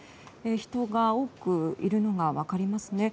人が多くいるのが分かりますね。